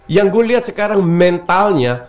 yang gue lihat sekarang mentalnya